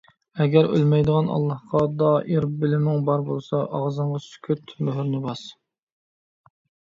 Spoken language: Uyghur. ئەگەر ئۆلمەيدىغان ئاللاھقا دائىر بىلىمىڭ بار بولسا، ئاغزىڭغا سۈكۈت مۆھۈرىنى باس.